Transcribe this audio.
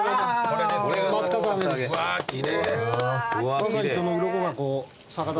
まさにそのうろこが逆立って。